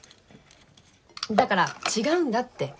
だから違うんだって。